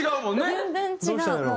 全然違う。